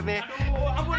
teti teti ampun teti